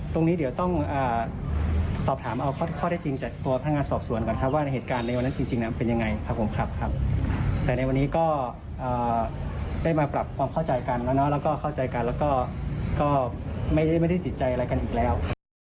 ตรงนี้เดี๋ยวต้องสอบถามข้อแรกจริงกับตัวพันธ์งานสอบสวนก่อนครับว่าเหตุการณ์ในวันนั้นจริงเป็นยังไงครับแต่ในวันนี้ก็ได้มาปรับความเข้าใจกันแล้วก็ไม่ได้ติดใจอะไรกันอีกแล้ว